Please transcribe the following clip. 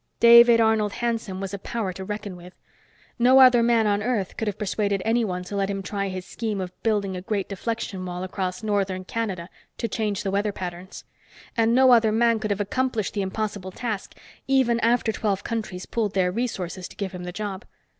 David Arnold Hanson was a power to reckon with. No other man on Earth could have persuaded anyone to let him try his scheme of building a great deflection wall across northern Canada to change the weather patterns. And no other man could have accomplished the impossible task, even after twelve countries pooled their resources to give him the job.